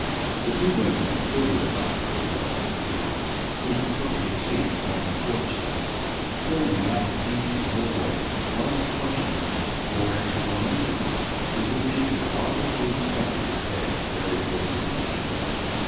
The two women twittered about the robust newcomer, who took his seat upon the porch steps, pouring out each in her way a flood of questions or exclamations to which he could hardly be expected to pay very close attention.